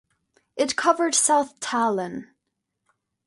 It covered south Tallinn.